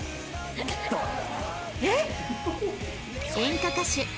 えっ？